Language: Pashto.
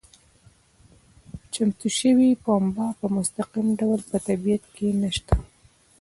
چمتو شوې پنبه په مستقیم ډول په طبیعت کې نشته.